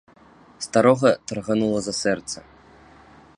Старога тарганула за сэрца.